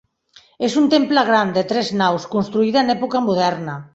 És un temple gran, de tres naus, construïda en època moderna.